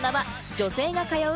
女性が通う